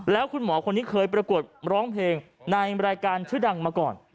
แล้วคุณหมอคนนี้เคยประกวดร้องเพลงในรายการชื่อดังมาก่อน